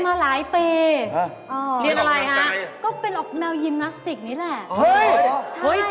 ก็เป็นอกแนวยินเฉะนี้แหละ